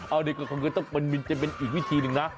เอาหน่อยก็คงคือมันจะเป็นอีกวิธีหนึ่งนะ